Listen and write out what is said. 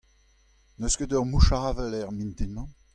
N'eus ket ur mouch avel er mintin-mañ.